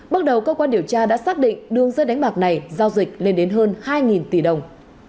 bước đầu cơ quan điều tra đã xác định đường dây đánh bạc này giao dịch lên đến hơn hai tỷ đồng